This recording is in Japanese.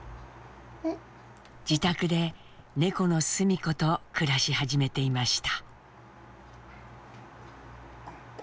自宅で猫のすみ子と暮らし始めていました。